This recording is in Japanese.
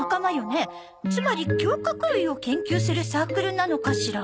つまり鋏角類を研究するサークルなのかしら？